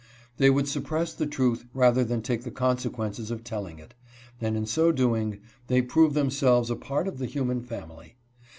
They would suppress the truth rather than take the consequences of telling it, and in so doing they prove themselves a part of the human family.